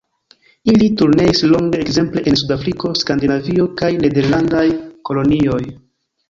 Ili turneis longe ekzemple en Sudafriko, Skandinavio kaj nederlandaj kolonioj.